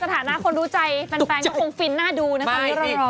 ฝ่าสถานะคนรู้ใจแบบกรบ